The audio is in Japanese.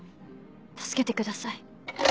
助けてください。